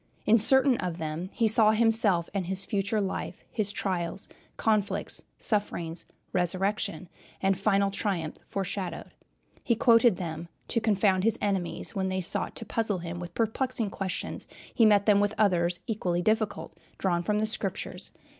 In certain of them he saw himself and his future life, his trials, conflicts, sufferings, resurrection, and final triumph foreshadowed. He quoted them to confound his enemies. When they sought to puzzle him with perplexing questions he met them with others equally difficult, drawn from the Scriptures.